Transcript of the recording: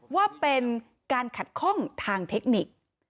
ว่าเป็นการขัดข้องทางเทคนิค